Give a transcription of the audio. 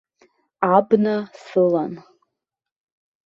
Абна сылан.